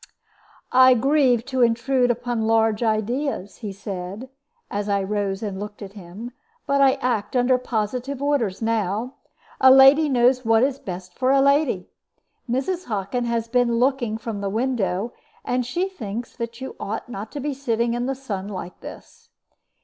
"I grieve to intrude upon large ideas," he said, as I rose and looked at him, "but I act under positive orders now. A lady knows what is best for a lady. Mrs. Hockin has been looking from the window, and she thinks that you ought not to be sitting in the sun like this.